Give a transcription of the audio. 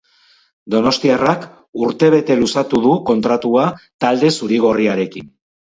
Donostiarrak urtebete luzatu du kontratua talde zurigorriarekin.